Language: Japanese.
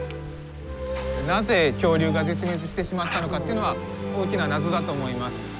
なぜ恐竜が絶滅してしまったのかというのは大きな謎だと思います。